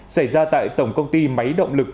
xảy ra tại tổng công ty máy động lực